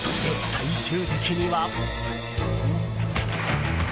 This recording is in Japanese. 最終的には。